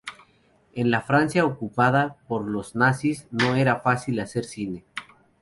En la Francia ocupada por los nazis, no era fácil hacer cine.